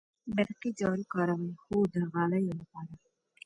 برقی جارو کاروئ؟ هو، د غالیو لپاره